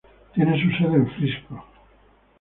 Tiene su sede en Frisco.